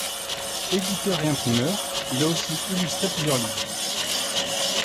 Éditeur et imprimeur, il a aussi illustré plusieurs livres.